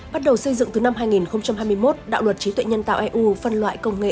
bắt đầu xây dựng từ năm hai nghìn hai mươi một đạo luật trí tuệ nhân tạo eu phân loại công nghệ